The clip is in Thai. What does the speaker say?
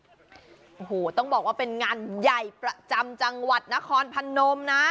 โอ้โหต้องบอกว่าเป็นงานใหญ่ประจำจังหวัดนครพนมนะ